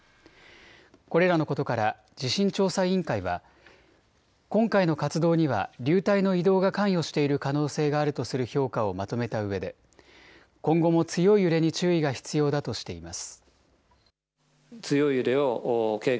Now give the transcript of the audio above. これらのことから地震調査委員会は今回の活動には流体の移動が関与している可能性があるとする評価をまとめたうえで今後も強い揺れに注意が必要だとしています。